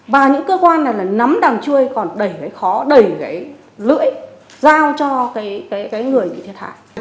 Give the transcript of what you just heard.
và những cơ quan này là nắm đằng chui còn đẩy cái khó đẩy cái lưỡi giao cho cái người bị thiệt hại